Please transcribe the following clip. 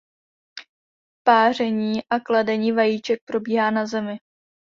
Páření a kladení vajíček probíhá na zemi.